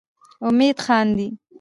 امید خاندي.